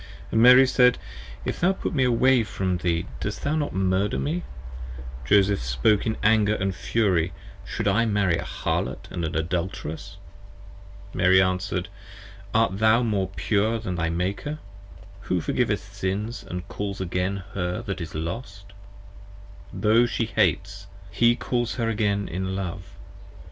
And Mary said, If thou put me away from thee 5 Dost thou not murder me? Joseph spoke in anger & fury, Should I Marry a Harlot & an Adulteress? Mary answer'd, Art thou more pure Than thy Maker, who forgiveth Sins & calls again Her that is Lost? Tho' She hates, he calls her again in love.